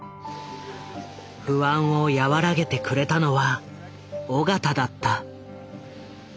不安を和らげてくれたのは緒方だった。